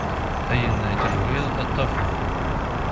Ayen i tenwiḍ ad t-tafeḍ.